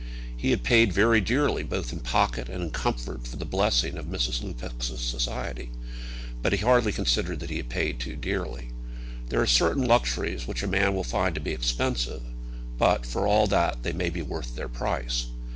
He had paid very dearly, both in pocket and in comfort, for the blessing of Mrs. Lupex's society; but he hardly considered that he had paid too dearly. There are certain luxuries which a man will find to be expensive; but, for all that, they may be worth their price.